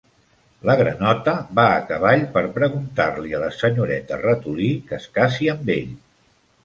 La granota va a cavall per preguntar-li a la senyoreta ratolí que es casi amb ell.